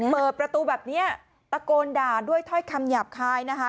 เปิดประตูแบบนี้ตะโกนด่าด้วยถ้อยคำหยาบคายนะคะ